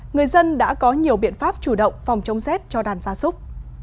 người dân đã có nhiều biện pháp chủ động phòng chống rét cho đàn gia súc